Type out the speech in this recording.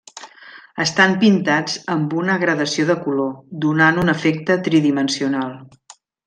Estan pintats amb una gradació de color, donant un efecte tridimensional.